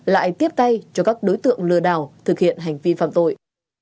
lại tiếp tay cho các đối tượng lừa đảo thực hiện hành vi phạm tội